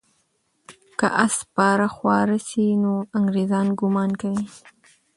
که آس سپاره خواره سي، نو انګریزان ګمان کوي.